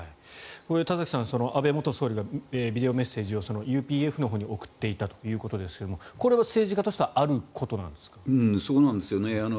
田崎さん、安倍元総理がビデオメッセージをＵＰＦのほうに送っていたということですがこれは政治家としてはあることなんですか？